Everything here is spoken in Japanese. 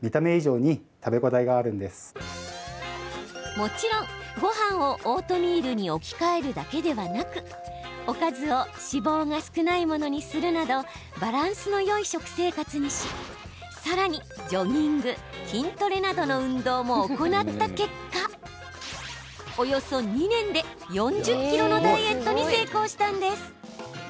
もちろん、ごはんをオートミールに置き換えるだけではなくおかずを脂肪が少ないものにするなどバランスのよい食生活にしさらにジョギング、筋トレなどの運動も行った結果およそ２年で４０ｋｇのダイエットに成功したんです。